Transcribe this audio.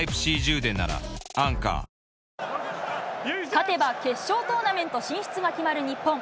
勝てば決勝トーナメント進出が決まる日本。